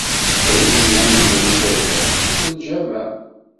Ayen iwulmen i taddart d lǧamaɛ.